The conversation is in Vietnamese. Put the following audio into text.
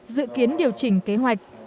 dự kiến điều chỉnh kế hoạch